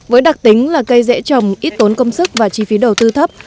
với đặc tính là cây dễ trồng ít tốn công sức và chi phí đầu tư thấp